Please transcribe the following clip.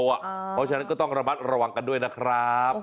เพราะฉะนั้นก็ต้องระมัดระวังกันด้วยนะครับ